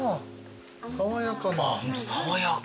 爽やか。